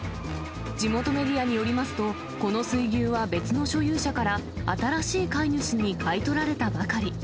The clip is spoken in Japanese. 地元メディアによりますと、この水牛は別の所有者から新しい飼い主に買い取られたばかり。